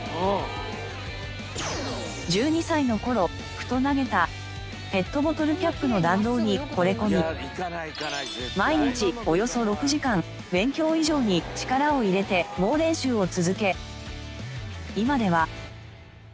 １２歳の頃ふと投げたペットボトルキャップの弾道にほれ込み毎日およそ６時間勉強以上に力を入れて猛練習を続け今では。